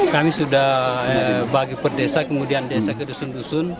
kami sudah bagi per desa kemudian desa ke dusun dusun